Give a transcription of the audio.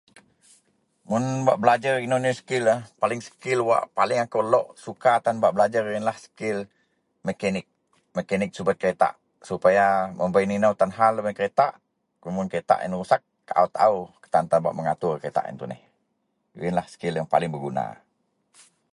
Mun bak belajer inou-inou skil, paling Skil wak paling akou lok suka tan bak belajer yenlah skil mekanik. Mekanik subet keretak supaya mun bei inou-inou tan hal lubeang keretak, mun keretak yen rusek kaau taao ketantan bak mengatur keretak yen tuneh. Yenlah skil yang paling beguna.